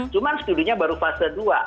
cuma studinya baru fase dua